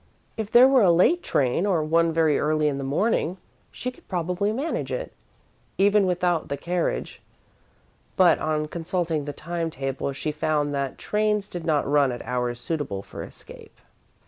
If there were a late train, or one very early in the morning, she could probably manage it, even without the carriage, but, on consulting the time table, she found that trains did not run at hours suitable for escape.